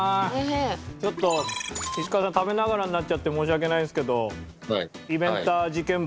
ちょっと石川さん食べながらになっちゃって申し訳ないんですけどイベンター事件簿